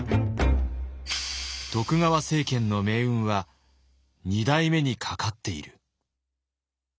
徳川政権の命運は二代目にかかっている。